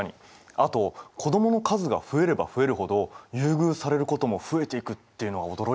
あと子どもの数が増えれば増えるほど優遇されることも増えていくっていうのは驚いたな。